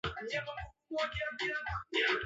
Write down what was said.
Naomba kwenda kukaa, wala sio nikalale,